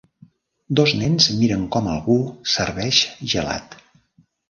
Dos nens miren com algú serveix gelat.